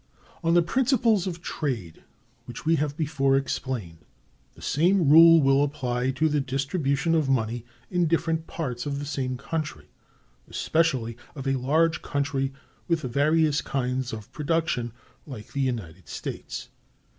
On the principles of trade which we have before explained, the same rule will apply to the distribution of money in different parts of the same country, especially of a large country with various kinds of production, like the United States.